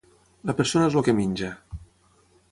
La persona és el que menja.